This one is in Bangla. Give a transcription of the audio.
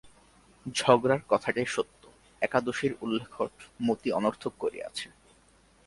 ঝগড়ার কথাটাই সত্য, একাদশীর উল্লেখট মতি অনর্থক করিয়াছে।